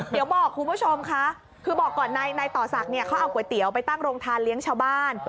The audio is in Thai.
เดี๋ยวบอกคุณผู้ชมค่ะคือบอกก่อนนายต่อศักดิ์เขาเอาก๋วยเตี๋ยวไปตั้งโรงทานเลี้ยงชาวบ้าน